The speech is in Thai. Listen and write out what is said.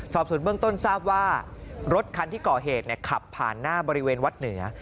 สอบส่วนเบื้องต้นทราบว่ารถคันที่ก่อเหตุขับผ่านหน้าบริเวณวัดเหนือ